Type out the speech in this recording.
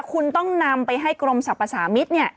คุณต้องนำไปให้กรมสรรพสามิตร